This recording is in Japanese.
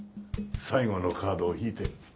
最後のカードを引いて。